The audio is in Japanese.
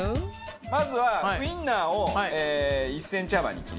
まずはウィンナーを１センチ幅に切ります。